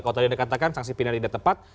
kalau tadi anda katakan sanksi pidana tidak tepat